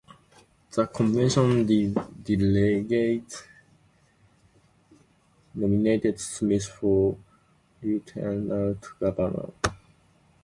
The convention delegates nominated Smith for lieutenant governor.